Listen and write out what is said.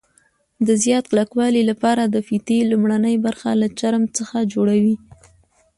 د زیات کلکوالي لپاره د فیتې لومړنۍ برخه له چرم څخه جوړوي.